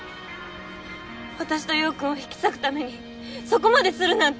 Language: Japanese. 私と陽君を引き裂くためにそこまでするなんて。